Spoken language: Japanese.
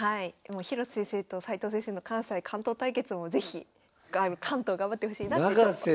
広瀬先生と斎藤先生の関西・関東対決も是非関東頑張ってほしいなって思っちゃいますね。